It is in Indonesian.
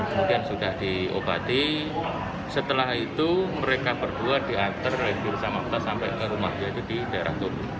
kemudian sudah diobati setelah itu mereka berdua diantar oleh dirwisama peta sampai ke rumahnya di daerah tunggu